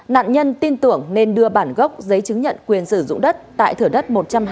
nạn nhân tin tưởng nên đưa bản gốc giấy chứng nhận quyền sử dụng đất tại thửa đất một trăm hai mươi